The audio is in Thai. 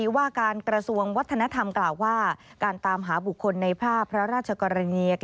ว่าการกระทรวงวัฒนธรรมกล่าวว่าการตามหาบุคคลในภาพพระราชกรณีย